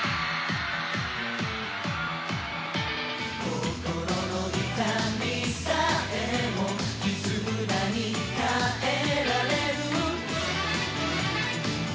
「心の痛みさえも絆に変えられる」